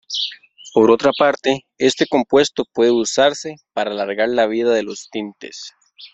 Por otra parte, este compuesto puede usarse para alargar la vida de los tintes.